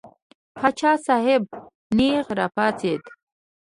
پاچا صاحب نېغ را پاڅېد.